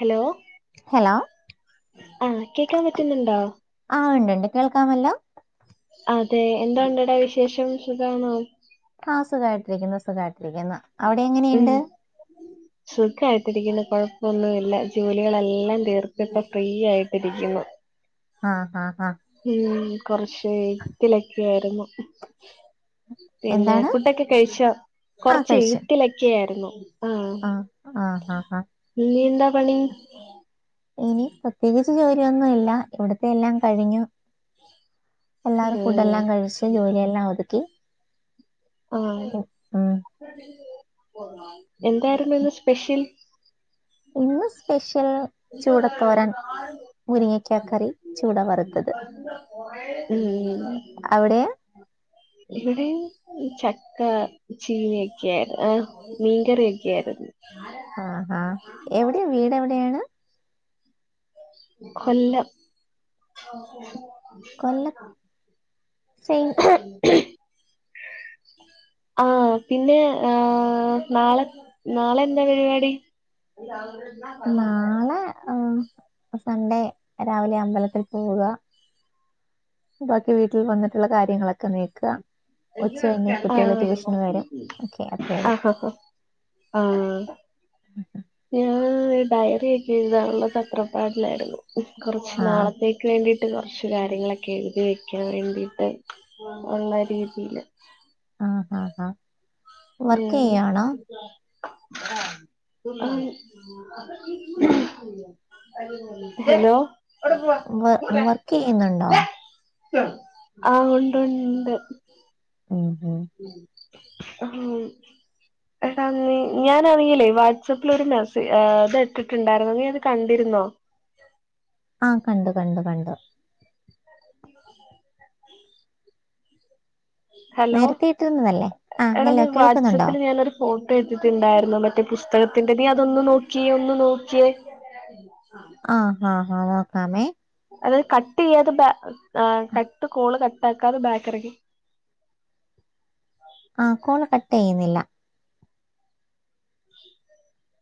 Hello hello ആഹ് കേക്കാൻ പറ്റുന്നുണ്ടോ ആഹ് ഉണ്ട് ഉണ്ട് കേൾക്കാമല്ലോ അതെ എന്തുണ്ടട വിശേഷം സുഖാണോ ആഹ് സുഖായിട്ടിരിക്കുന്ന് സുഖായിട്ടിരിക്കുന്ന് ഉം സുഖായിട്ടിരിക്കുന്നു കുഴപ്പമൊന്നുല്ല. ജോലികളെല്ലാം തീർത്ത് ഇപ്പൊ ഫ്രീ ആയിട്ടിരിക്കുന്നു. ആഹ് ആഹ് ആഹ് ഉം കൊറച്ച് എഴുത്തിലൊക്കെ ആയിരുന്നു പിന്നെ എന്താണ് ഫുഡ്‌ഒക്കെ കഴിച്ചോ ആ കൊറച്ച് കഴിച്ചു എഴുത്തിലൊക്കെ ആയിരുന്നു. ആഹ് ആ ആ ആ ആ ഇന്ന് എന്താ പണി ഇനി പ്രത്യേകിച്ച് ജോലിയൊന്നുല്ല ഇവിടത്തെ എല്ലാം കഴിഞ്ഞു എല്ലാവരും ഫുഡ് ഉം എല്ലാം കഴിച്ച് ജോലിയെല്ലാം ഒതുക്കി ആണ് ഉം. എന്തായ്ര്ന്നു ഇന്ന് സ്പെഷ്യെൽ? ഇന്ന് സ്പെഷ്യെൽ ചൂടത്തോരൻ മുരിങ്ങ്യക്കാ കറി ചൂട വറ്ത്തത് ഉം അവ്ടയാ? ഇവിടേ ഈ ചക്ക ചീനിക്കൊയായിര്ന്ന് ആഹ് മീൻകറിയൊക്കെ ആര്ന്ന് ആഹ് ഹാ എവ്ടെ വീടെവ്ടെയാണ്? കൊല്ലം കൊല്ല സെയിം ആഹ് പിന്നെ ആഹ് നാളെ നാളെ എന്താ പര്പാടി? [unintelligible] ആഹ് സൺഡേ രാവിലെ അമ്പലത്തിൽ പോവുകാ ബാക്കി വീട്ടിൽ വന്നിട്ട്ള്ള കാര്യങ്ങളൊക്കെ നീക്കാ ആഹ് വരും ഓക്കെ അത്രേ ഉള്ളൂ അഹ് ഹ ഹാ ആഹ് [unintelligible] ഞാൻ ഡയറിയൊക്കെ എഴ്താനുള്ള തത്രപ്പാടിലായ്ര്ന്നു കൊറച്ച് ആഹ് നാളത്തേ ക്ക് വേണ്ടീട്ട് കാെറച്ച് കാര്യങ്ങളൊക്കെ എഴ്തി വെക്കാം വേണ്ടീട്ട് ഒള്ള രീതീല് ആഹ് ഹാ ഹാ ഉം ഹെലോ വ വർക്കെയ്യ്ന്ന്ണ്ടോ ആഹ് ഉണ്ടു ഉണ്ട് ഉം ഉം ഹാം എടാ നി ഞാനാണെങ്കിലേ വാട്സപ്പ്ലൊരു മെസെ ഏഹ് ത് ഇട്ട്ട്ട്ണ്ടായ്ര്ന്നു നീ അത് കണ്ടിര്ന്നോ ആഹ് കണ്ടു കണ്ടു കണ്ടു [unintelligible] ഹലോ നേരത്തെ ഇട്ടിരുന്നതല്ലേ ആഹ് എടാ ഹലോ നീ കേൾക്കുന്നുണ്ടോ വാട്സപ്പില് ഞാനാെരു ഫോട്ടോ ഇട്ടിട്ട്ണ്ടായ്ര്ന്നു മറ്റേ പുസ്തകത്തിന്റെ നീ അതൊന്ന് നോക്ക്യേ ഒന്ന് നോക്ക്യേ ആഹ് ഹാ ഹാ നോക്കാമേ അതായത് കട്ട്യ്യാതെ ബ കട്ട് കോള് കട്ടാക്കാതെ ബാക്കെറെങ്ങി ആഹ് കോള് കട്ടെയ്യ്ന്നില്ല [unintelligible]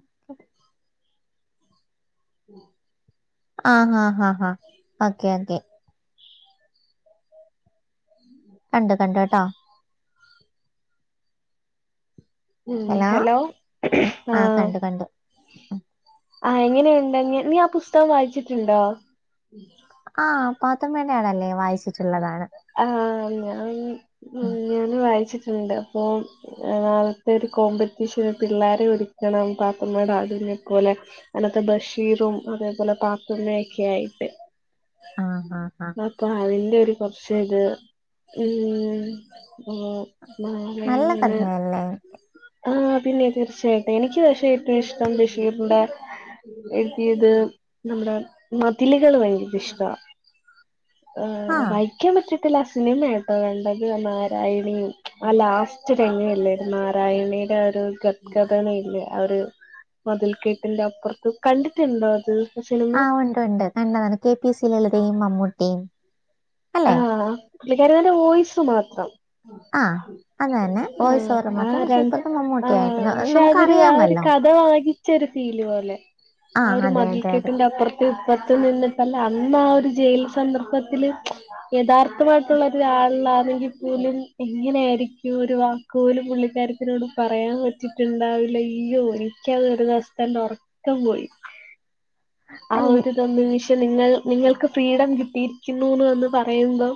[unintelligible] [unintelligible] ആഹ് ഹാ ഹാ ഹാ ഓക്കെ ഓക്കെ [unintelligible] കണ്ട് കണ്ട് കെട്ടാേ ഉം ഹലോ ഹെലോ ആഹ് ആഹ് എങ്ങെനെയുണ്ട്ഞ്ഞ് നീ ആ പുസ്തകം വായ്ച്ച്ട്ട്ണ്ടോ ആഹ് പാത്തുമ്മേന്റെ ആടെല്ലേ വായിച്ച് ആഹ് ഞാൻ ഞാനും വായിച്ചിട്ട്ണ്ട് അപ്പോം നാളെത്തെ ഒരു കോമ്പെറ്റീഷെന് പിള്ളാരെ ഒരുക്കണം പാത്തുമ്മേടെ ആടിനെ പോലെ അന്നത്തെ ബഷീറും അതേപോലെ പാത്തുമ്മയെക്കെ ആയിട്ട് ആഹ് ആഹ് ആഹ് അപ്പൊ അതിൽ ക്കെരു പക്ഷേ ഇത് [unintelligible] നാളെ നല്ല ഇങ്ങനെ കഥയല്ലേ ആഹ് പിന്നെ തീർച്ചയായിട്ടും, എനിക്ക് പക്ഷേ ഏറ്റവും ഇഷ്ടം ബഷീറിന്റെ എഴുതിയത് നമ്മുടെ മതിലികള് ഭയങ്കര ഇഷ്ട ആഹ് വായി വായിക്കാൻ പറ്റത്തില്ല ആ സിനിമയാട്ടോ കണ്ടത് നാരായണിയും ആ ലാസ്റ്റ് രംഗം ഇല്ലേ നാരായണീടെ ഒരു ഗഗ്‌ഥനവില്ലേ അവര് മതിൽ കെട്ടിന്റെ അപ്പുറത്ത് കണ്ടിട്ടുണ്ടോ അത്? സിനിമ ആഹ് ഉണ്ട് ഉണ്ട് കണ്ടതാണ്, കെ പി സി ലളിതയും മമ്മൂട്ടിയും അല്ലേ ആഹ് പുള്ളിക്കാരിയുടെ വോയിസ് മാത്രം ആഹ് ആഹ് ആ രണ്ട് മമ്മൂട്ടിയായിട്ട് ആഹ് പക്ഷെ നമുക്ക് അതൊരു ആ ഒരു അറിയാമല്ലോ കഥ വായി വായിച്ചൊരു ഫീല് പോലെ ആ ഒരു അതെ മതിൽ അതെ അതെ കെട്ടിന്റെ അപ്പുറത്ത് ഇപ്പറത്ത് നിന്നിട്ടല്ലേ അന്ന് ആ ഒരു ജയിൽ സന്ദർഭത്തില് യഥാർത്ഥമായിട്ടുള്ള ഒരാളിലാണെങ്കിൽ പോലും എങ്ങനൊയിരിക്കും ഒരു വാക്ക് പോലും പുള്ളിക്കാരത്തിനോട് പറയാൻ പറ്റിട്ടുണ്ടാവില്ല അയ്യോ എനിക്കത് ഒരു ദിവസത്തെ എന്റെ ഒറ ക്കം പോയി ആ അല്ല ഇ- ഒര് നിമിഷം നിങ്ങൾ നിങ്ങൾക്ക് ഫ്രീഡം കിട്ടിയിരിക്കുന്നുന്ന് വന്ന് പറയുമ്പം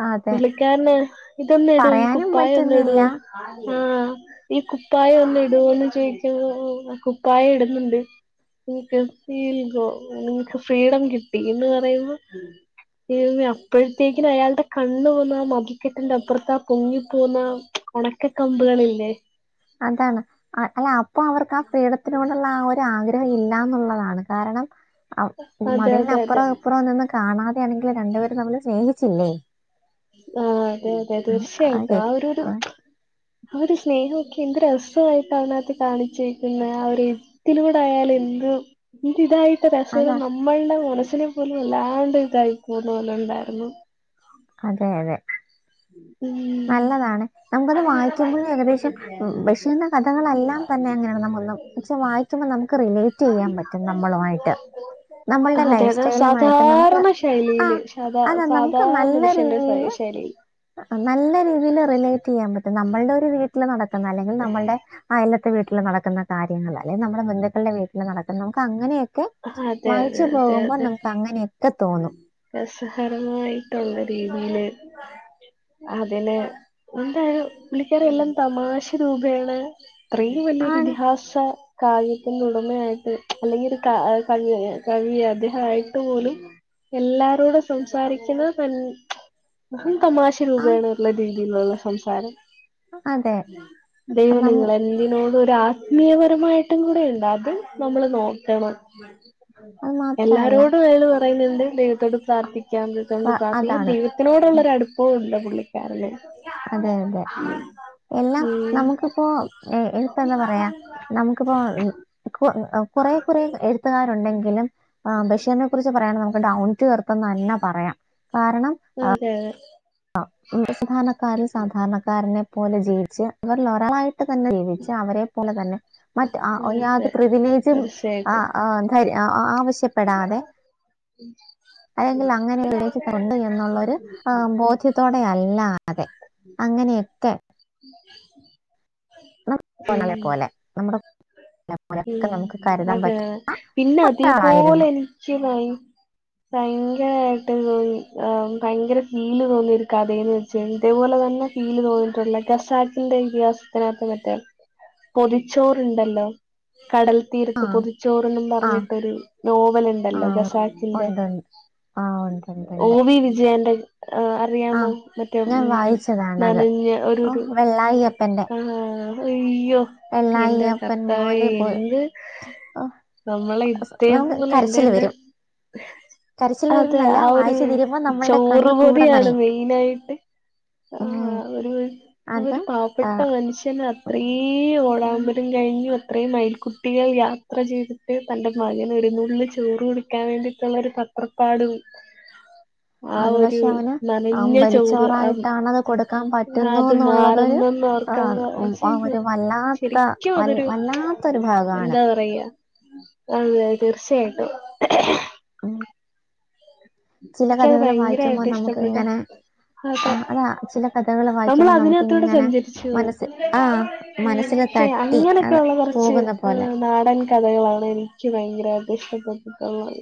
ആ, അതെ പുള്ളിക്കാരന് ഇതൊന്ന് ഇടൂ ഈ പറയാനും കുപ്പായൊന്ന് ഇടൊ പറ്റുന്നില്ല ആഹ് ഈ കുപ്പായൊന്ന് ഇടുവോന്ന് ചോയ്ക്കുമ്പം കുപ്പായം ഇടുന്നുണ്ട് നിക്ക് വി വിൽ ഗോ. നിങ്ങക്ക് ഫ്രീഡം കിട്ടി എന്ന് പറയുമ്പം ദൈവമേ അപ്പഴത്തേക്കിന് അയാള്ടെ കണ്ണ് പോവ്ന്നാ മതിൽക്കെട്ടിന്റെ അപ്പുറത്താ പൊങ്ങിപ്പോവ്ന്നാ ഒണക്ക കമ്പുകളില്ലേ? അതാണ് അല്ല അപ്പൊ അവർക്ക് ആ ഫ്രീഡത്തിനോട്ള്ള ആ ഒ റ്റ ആഗ്രഹം ഇല്ലാന്നുള്ളതാണ് കാരണം അ അതെ അതെ അതെ മതിലിനപ്പുറം ഇപ്പുറം നിന്ന് കാണാതെ ആണെങ്കിലും രണ്ട്പേരും തമ്മില് സ്നേഹിച്ചില്ലേ ആഹ് അതെ അതെ തീർച്ചയായിട്ടും ആ ഒരൊരു ആ ഒരു സ്നേഹവക്കെ എന്ത് രസ്സായിട്ടാണ് അതിനാത്ത് കാണിച്ചേക്കുന്നേ ആ ഒര് ത്തിലൂടായാല് എന്ത് ഇതായിട്ട് രസ അതാ നമ്മൾടെ മനസ്സിനെ പോലും വല്ലാണ്ട് ഇതായി പോന്ന പോലെ ഇണ്ടാര്ന്നു അതെ അതെ ഉം നല്ലതാണ് നമുക്കത് വായിക്കുമ്പയും ഏകദേശം ബെഷിർന്റെ കഥകളെല്ലാം തന്നെ അങ്ങനെയാണ് നമ്മള പക്ഷെ വായിക്കുമ്പോൾ നമുക്ക് റിലേറ്റ് ചെയ്യാൻ പറ്റും നമ്മളു വായിട്ട് നമ്മൾടെ അതെ ലൈഫ് അതെ സ്റ്റൈലുമായിട്ട് നമുക്ക് സാധാരണ ആഹ് ശൈലിയില് സാധാ അതാ നമുക്ക് സാധാ നല്ല മനുഷ്യന്റെ രീതിയില് ശൈലിയിൽ നല്ല രീതില് റിലേറ്റ് ചെയ്യാൻ പറ്റും നമ്മൾടെ ഒരു വീട്ടില് നടക്കുന്ന അല്ലെങ്കിൽ നമ്മൾടെ അയല ത്തെ വീട്ടില് നടക്കുന്നാ കാര്യങ്ങള് അല്ലെങ്കില് നമ്മടെ ബന്ധുക്കൾടെ വീട്ടില് നടക്കുന്ന നമുക്ക് അങ്ങനെ യെക്കെ അതെ അതെ വായിച്ചു അതെ പോകുമ്പോ നമുക്ക് അങ്ങനെയെക്കെ തോന്നും രസഹരമായിട്ടുള്ള രീതിയില് അതില് എന്തായാലും പുള്ളിക്കാരി എല്ലാം തമാശ രൂപേണ ഇത്രേം വല്ല്യോര് ആണ്. ഇതിഹാസ കായികത്തിനു ഉടമയായിട്ട് അല്ലെങ്കി ഒരു ക അ കവി കവി അദ്ദേഹാവായിട്ട് പോലും എല്ലാരോടും സംസാരിക്കുന്ന നല്ല അതും തമാശ ആ രൂപേണ ഒള്ള രീതിലുള്ള സംസാരം അതെ. ദൈവം നം നിങ്ങളെ എ ല്ലാത്തിനോടും ഒരു ആത്മീയപരമായിട്ടും കൂടെയുണ്ട് അതും നമ്മള് നോക്കണം അത് മാത്രമല്ല എല്ലാരോടും അയാള് പറയുന്ന്ണ്ട് ദൈവത്തോട് പ്രാർത്ഥിക്കാംന്ന് തോണ്ട് പ്ര- പ്രാർത്ഥിക്കാൻ അതാണ്. ദൈവ ഉം, നോടുള്ളൊരടുപ്പോണ്ട പുള്ളിക്കാരന് അതെ അതെ എല്ലാം ഉം നമുക്ക് ഇപ്പോ ഇപ്പെന്താ പറയാ നമു ഇക്ക്പോ കൊറേകൊറേ എഴുത്തുകാരുണ്ടെങ്കിലും ആ ബഷീനും കുറിച്ച് പറയാണെ നമുക്ക് ഡൗൺ ടു ഏർത്ത്ന്ന പറയാം കാരണം അതെ അതെ ആ സാധാരണക്കാരിൽ സാധാരണക്കാരനെ പോലെ ജീവിച്ച് അവരിലൊരാളായി തന്നെ ജീവിച്ച് അവരെ പോലെ തന്നെ മറ്റ് ആ അതെ യാതൊരു പ്രിവിലേജും തീർച്ചയായിട്ടും ആഹ് ആഹ് ധരി ആ ആവശ്യപ്പെടാതെ അല്ലെങ്കിൽ അങ്ങനെ [unintelligible] ഉണ്ട് എന്നുള്ളൊര് ആ ബോധ്യ ക്ഷ്യത്തോടെ അല്ലാതെ അങ്ങനെയൊക്കെ [inaudible] നമ്മ ഉം പോന്നളെ പോലെ നമ്മടെ ഉം പറ്റും അതേപിന്നെ അതേപോലെ ളായിരുന്നു എനിക്ക് വൈ ഭയങ്കരായിട്ട് തോന്നി ആഹ് ഭയങ്കര ഫീല് തോന്നിയൊര് കതേന്ന് വെച്ച ഇതേപോലെ തന്നെ ഫീല് തോന്നിട്ടുള്ള ഖസാക്കിന്റെ ഇതിഹാസത്തിനാത്ത് മറ്റെ പൊതിച്ചോറ്ണ്ടല്ലോ കടൽ തീരത്ത് ആഹ് പൊതിച്ചോറെന്നും ആഹ് പറഞ്ഞിട്ടൊരു നോവൽ ഇണ്ടല്ലോ ആഹ് ഗസാഖിന്റെ ഉണ്ട്ണ്ട് ആഹ് ഉണ്ട്ണ്ട്ണ്ട് ഓവി വിജയന്റെ ആഹ അറിയാമോ ആഹ് മറ്റേ ഉം ഞാൻ വായിച്ചതാണത് നനഞ്ഞ ഒരുരു ഓഹ് വെള്ളായിയപ്പന്റെ ആഹ് അയ്യൊ എന്റെ വെള്ളായിയപ്പൻ കർത്താവേ മോന് പോ അത് ഓഹ് നമ്മളെ ഇത്തേ നമുക്ക് പോലെഎന്റെ കരച്ചില് എന്റെ വരും കരച്ചില് അതെ വരുംന്നല്ല ആ ഒരു വായിച്ചു തീരുമ്പോ നമ്മളുടെ ചോറു കണ്ണ് കൂടെ പൊതിയാണ് നനയും മെയിനായിട്ട് ഉം ആഹ് ഒരു ആ അത് ഒരു പാവപ്പെട്ട ആഹ് മനുഷ്യന് അത്രീം ഉം ഓടാമ്പരം കഴിഞ്ഞു അത്രയും മയ് കുട്ടികൾ യാത്ര ചെയ്തിട്ട് തന്റെ മകനൊരു നുള്ള് ചോറ് കൊടുക്കാൻ വേണ്ടിട്ടുള്ള ഒരു തത്രപ്പാടും [unintelligible] ആ അത് ഒരു പക്ഷെ അവന് നനഞ്ഞ ചോറ് ആ അമ്പലിച്ചോറായിട്ടാണത് കൊടുക്കാൻ അത് പറ്റുന്നുന്നുള്ളതൊരു നാറുന്നെന്നോർ ക്കുമ്പൊ ആഹ് ഒരു വല്ലാത്ത ശരിക്കും അതൊരു വല്ലാത്തൊരു ഭാഗമാണ് എന്താ പറയാ അതെ തീർച്ചയായിട്ടും ഉം ചില ഇക്ക്യത് കഥകൾ വായിക്കുമ്പോൾ ഭയങ്കരായിട്ട് നമുക്ക് ഇഷ്ടപ്പെട്ട് ഇങ്ങനെ ആ അതാ ചില കഥകൾ നമ്മൾ വായിക്കുമ്പോൾ നമുക്ക് അതിനാത്തൂടെ ഇങ്ങനെ സഞ്ചരിച്ച് പോവും മനസ്സ് ആ മനസ്സിൽ ചെ തട്ടി അങ്ങനൊക്കെ അത് ഇള്ള കൊറച്ച് പോകുന്ന പോലെ ആഹ് നാടൻ കഥകളാണ് എനിക്ക് ഭയങ്കരായിട്ട് ഇഷ്ടപ്പെട്ടിട്ടുള്ളത്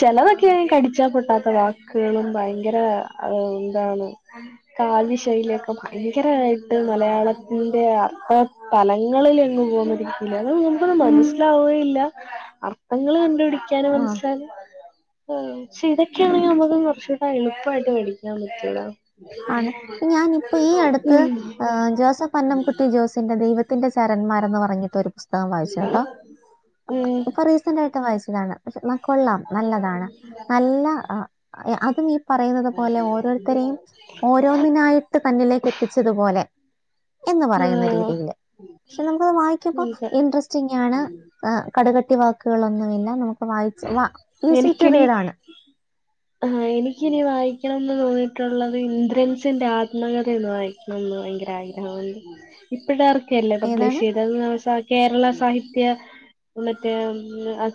ചെലതൊ ക്കെ കടിച്ചാ പൊട്ടാത്ത വാക്ക്കളും ഭയങ്കര അ ന്താണ് കാവ്യ ശൈലിയൊക്കെ ഭയങ്കരായിട്ട് മലയാളത്തിന്റെ അർത്ഥ തലങ്ങളിൽ എങ്ങ് പോകരിക്കില്ല അത് മുമ്പ് ത് മനസ്സിലാവേല്ല അർത്ഥങ്ങള് കണ്ടുപടിക്കാൻ ആ മനസ്സിലാകു ആ ഷെ ഇതൊക്കെയാണെങ്കിൽ നമുക്ക് കൊറച്ചൂടെ എളുപ്പായിട്ട് പടിക്കാൻ പറ്റുടാ ആണ് ഞാന് ഇപ്പം ഈ അടുത്ത് ഉം അ ജോസഫ് അന്നംകുട്ടി ജോസ് ഫിന്റെ ദൈവത്തിന്റെ ശരന്മാരെന്ന് പറഞ്ഞിട്ട് ഒരു പുസ്തകം വായിച്ചേട്ടോ ഉം കുറേ വട്ടം വായിച്ചതാണ് പഷെ ന്ന കൊള്ളാം നല്ലതാണ് നല്ല അ അതും ഈ പറയുന്നത് പോലെ ഓരോരുത്തരെയും ഓരോന്നിനായിട്ട് തന്നിലേക്കെത്തിച്ചതുപോലെ എന്ന് പറയുന്ന ആഹ് രീതിയില് പക്ഷെ നമ്മളത് വായിക്കുമ്പൊ ഇൻട്രസ്റ്റിംഗാണ് കടുകട്ടി വാക്കുകളൊന്നുവില്ല നമുക്ക് വായിച്ച് വാ ഈസി ടു എനിക്കിനി റീഡാണ് ആഹ് എനിക്കിനി വായിക്കാൻ തോന്നീട്ടുള്ളത് ഇന്ദ്രൻസിന്റെ ആത്മകഥയന്ന് വായി ണംന്ന് വയങ്കരാഗ്രഹണ്ട്. ഇപ്പോഴാർക്കല്ലേ പബ്ലിഷ് ഏതാണ് ചെയ്തത് കേരള സാഹിത്യ മറ്റേ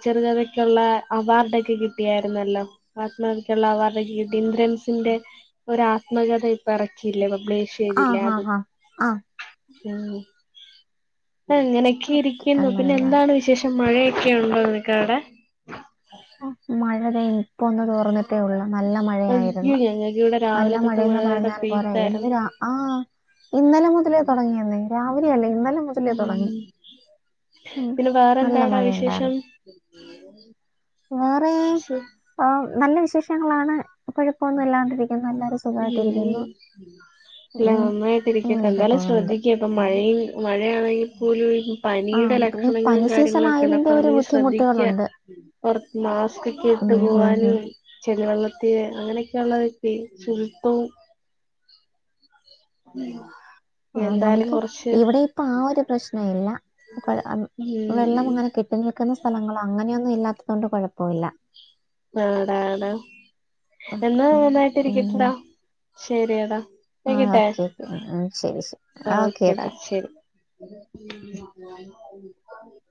ചെറുകഥയ്ക്കുള്ള അവാർഡൊക്കെ കിട്ടിയാര്ന്നല്ലോ? മാത്മാക്കുള്ളവാർഡൊക്കെ കിട്ടി. ഇന്ദ്രൻ സിന്റെ ഒരാത്മകഥ ഇപ്പ ഇറക്കിയില്ലേ. പബ്ലിഷ് ആ ചെയ്തില്ലേ ഹാ അത്. ഹാ ആ ഉ ആ പ്പങ്ങനൊക്കെ ഓക്കെ ഇരിക്കുന്നു. അത് നല്ലതാണ് പിന്നെന്താണ് വിശേഷം മഴ ക്കെയുണ്ടോ നിൻക്കവിടെ? ആഹ് മഴതെയ്ന് ഞക്ക് വ്ടെ നല്ല രാവിലെ തൊട്ട് മഴയെന്ന് മഴടെ പറഞ്ഞാൽ പോരെ ഇന്ന് പെയ്താര്ന്നു രാ ആ ഇന്നലെ മുതലേ തുടങ്ങിയന്നേ രാവിലെയല്ല ഇന്നലെ മുത ഉം പിന്നെ നല്ല വേറെന്താടാ വിശേഷം? മഴയുണ്ടായിരുന്നു വേറെ സു ആ നല്ല വിശേഷങ്ങളാണ് കുഴപ്പോന്നുല്ലാണ്ടിരിക്കുന്നു എല്ലാരും സു ഉം ഉം, ല്ലമ്മന്നായിട്ടിരിക്ക അങ്ങനെയൊക്കെ ന്തായാലും പോകുന്നുണ്ട് ശ്രദ്ധിക് ഇപ്പം ഉം, മഴയും മഴയാണെങ്കിൽ പോലും പനീടെ ആഹ് പിന്നെ ഈ ലക്ഷണങ്ങളും പനി സീസൺ കാര്യങ്ങളൊക്കെണ്ട് ആയതിന്റെ ഒരു അപ്പത്‌നീ ശ്രദ്ധിക്ക ബുദ്ധിമുട്ടുകളുണ്ട്. പൊറ- - ഉം മാസ്ക്കൊക്കെയിട്ട് ഉം ഉം പോവാനും. ചെളിവെള്ളത്തി അങ്ങനെയൊക്കെ ഉള്ളതൊ ശുചപ്പവും ആ എന്തായാലും നമുക്ക് കുറച്ച് ഇവിടെ ഇപ്പൊ ആ ഒരു പ്രശ്നൊയില്ല. അം വെള്ളം ഉം അങ്ങനെ കെട്ടി നിൽക്കുന്ന സ്ഥലങ്ങള് അങ്ങനെയൊന്നും ഇല്ലാത്തതോണ്ട് കുഴപ്പൊവില്ല. ആടാടാ ഉം എന്നാ നന്നായിട്ട് ഉം ഉം ഇരിക്കട്ടെടാ ശരിയെടാ. ആഹ് വെയ്ക്കെട്ടെ ഓക്കെ ഓക്കെ ഉം ശരി ശരി ആഹ് ഓക്കെ ഓക്കെ ക്കടാ ശരി. [unintelligible]